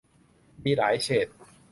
มีหลายเฉด